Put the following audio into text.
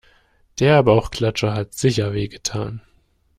Der Bauchklatscher hat sicher wehgetan.